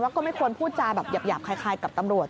แล้วก็ไม่ควรพูดจาแบบหยาบคล้ายกับตำรวจ